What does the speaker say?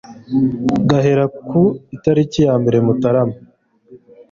gahera ku itariki ya mbere Mutarama